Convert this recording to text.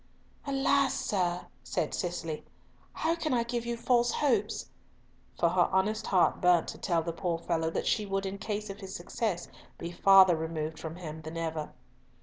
"Alas! sir," said Cicely, "how can I give you false hopes?" For her honest heart burnt to tell the poor fellow that she would in case of his success be farther removed from him than ever.